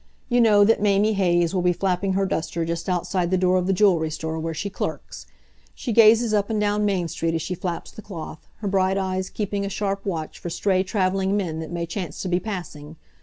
You know that Mamie Hayes will be flapping her duster just outside the door of the jewelry store where she clerks. She gazes up and down Main street as she flaps the cloth, her bright eyes keeping a sharp watch for stray traveling men that may chance to be passing.